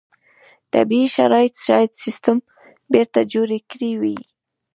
طبیعي شرایط شاید سیستم بېرته جوړ کړی وای.